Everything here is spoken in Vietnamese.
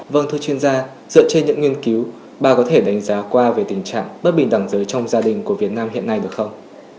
vâng thưa chuyên gia dựa trên những nghiên cứu bà có thể đánh giá qua về tình trạng bất bình đẳng giới trong gia đình của việt nam hiện nay được không